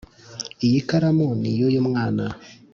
iyikaramu n'iyuyu mwana